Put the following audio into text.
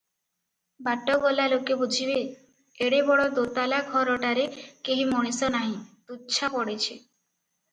ବାଟ ଗଲା ଲୋକେ ବୁଝିବେ, ଏଡେ ବଡ ଦୋତାଲା ଘରଟାରେ କେହି ମଣିଷ ନାହିଁ, ତୁଚ୍ଛା ପଡିଛି ।